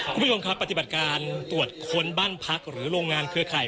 คุณผู้ชมครับปฏิบัติการตรวจค้นบ้านพักหรือโรงงานเครือข่าย